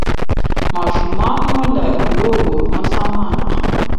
ماشومانو له د لوبو سامان اخلم